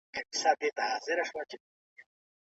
B ګروپ د هاضمي سیستم قوي لري.